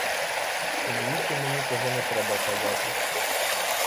Двічі мені того не треба казати.